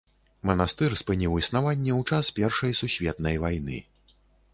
Манастыр спыніў існаванне ў час першай сусветнай вайны.